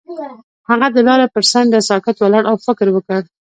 هغه د لاره پر څنډه ساکت ولاړ او فکر وکړ.